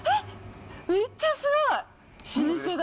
めっちゃすごい、老舗だ。